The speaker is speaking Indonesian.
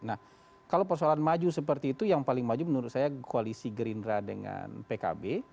nah kalau persoalan maju seperti itu yang paling maju menurut saya koalisi gerindra dengan pkb